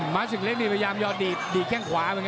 มาสึกเล็กนี่ปยามดีดแข้งขวามันเอง